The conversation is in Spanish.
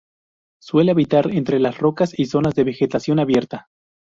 Suele habitar entre las rocas y zonas de vegetación abierta.